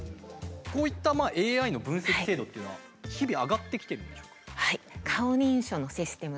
こういったＡＩの分析精度っていうのは日々上がってきてるんでしょうか？